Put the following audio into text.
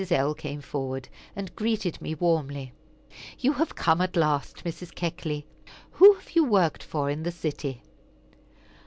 L. came forward, and greeted me warmly. "You have come at last. Mrs. Keckley, who have you worked for in the city?"